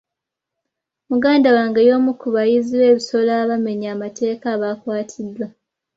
Muganda wange y'omu ku bayizzi b'ebisolo abamenya amateeka abaakwatiddwa.